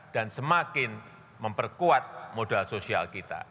dan semakin memperkuat modal sosial